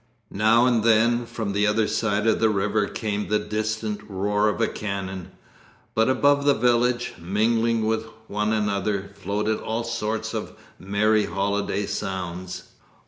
Now and then from the other side of the river came the distant roar of a cannon, but above the village, mingling with one another, floated all sorts of merry holiday sounds.